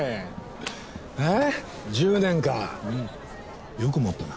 １０年かよく持ったな。